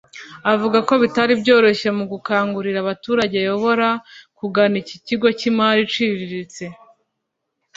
avuga ko bitari byoroshye mu gukangurira abaturage ayobora kugana iki kigo cy’imari iciriritse